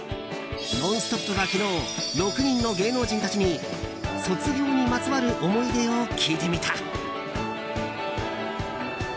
「ノンストップ！」は昨日６人の芸能人たちに卒業にまつわる思い出を聞いてみた。